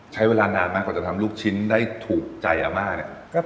ใช้เวลานานมากกว่าจะทำลูกชิ้นได้ถูกใจอาม่าเนี่ย